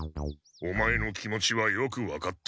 オマエの気持ちはよく分かった。